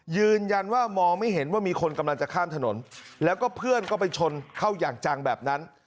ยืนยันว่ามองไม่เห็นว่ามีคนกำลังจะข้ามถนนแล้วก็เพื่อนก็ไปชนเข้าอย่างจังแบบนั้น